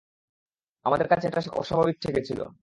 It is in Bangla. আমাদের কাছে এটা অস্বাভাবিক ঠেকেছিল।